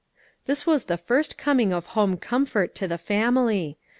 This was the first coming of home comfort to the family.